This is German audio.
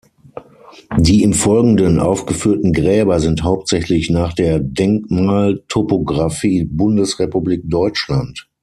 Die im Folgenden aufgeführten Gräber sind hauptsächlich nach der "Denkmaltopographie Bundesrepublik Deutschland.